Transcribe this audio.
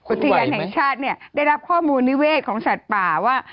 อุทยานแห่งชาติเนี่ยได้รับข้อมูลนิเวศของสัตว์ป่าว่า